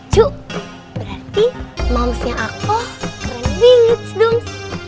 cuk berarti mamsnya aku keren bingits dong